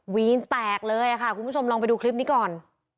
วีนแตกเลยค่ะคุณผู้ชมลองไปดูคลิปนี้ก่อน